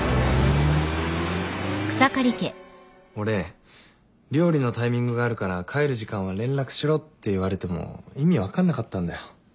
俺「料理のタイミングがあるから帰る時間は連絡しろ」って言われても意味分かんなかったんだよ。